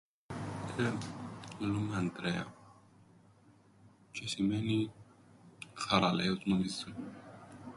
Ε, λαλούν με Αντρέαν, τζ̆αι σημαίνει θαραλλέος νομίζω.